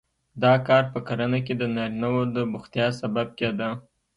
دا کار په کرنه کې د نارینه وو د بوختیا سبب کېده